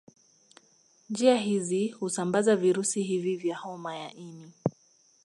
Njia hizi husambaza virusi hivi vya homa ya ini